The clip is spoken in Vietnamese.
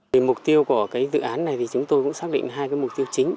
vì mục tiêu của cái dự án này thì chúng tôi cũng xác định hai cái mục tiêu chính